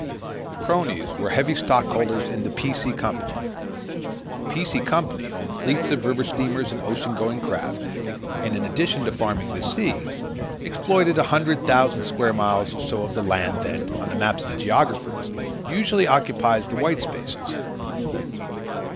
The cronies were heavy stockholders in the P. C. Company. The P. C. Company owned fleets of river steamers and ocean going craft, and, in addition to farming the sea, exploited a hundred thousand square miles or so of the land that, on the maps of geographers, usually occupies the white spaces.